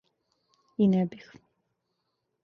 И не бих!